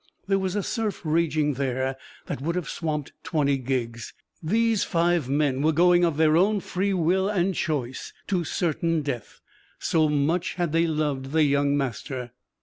There was a surf raging there that would have swamped twenty gigs: these five men were going of their own free will and choice to certain death so much had they loved the young master.